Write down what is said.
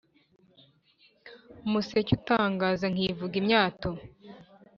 umuseke utangaza nkivuga imyato.